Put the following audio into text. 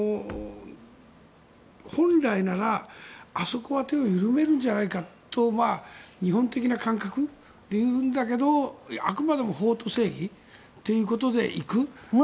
本来なら、あそこは手を緩めるんじゃないかと日本的な感覚では言うんだけどあくまでも法と正義ということでいく。